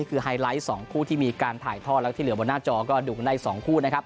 คือไฮไลท์๒คู่ที่มีการถ่ายทอดแล้วที่เหลือบนหน้าจอก็ดูกันได้๒คู่นะครับ